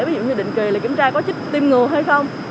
ví dụ như định kỳ là kiểm tra có chích tim ngựa hay không